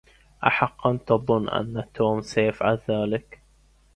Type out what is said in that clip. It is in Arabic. أحقا تظن أن توم سيفعل ذلك؟